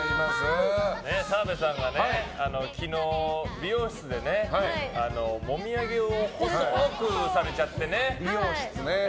澤部さんが昨日、美容室でもみあげを細ーくされちゃってね。